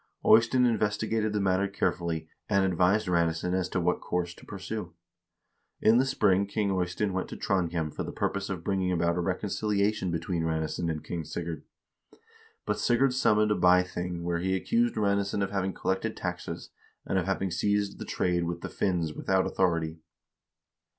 Ey stein investigated the matter carefully, and advised Ranesson as to what course to pursue. In the spring King Eystein went to Trondhjem for the purpose of bringing about a reconciliation between Ranesson and King Sigurd. But Sigurd summoned a bything where he accused Ranesson of having collected taxes, and of having seized the trade with the Finns without authority.